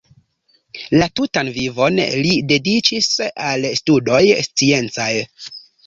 La tutan vivon li dediĉis al studoj sciencaj.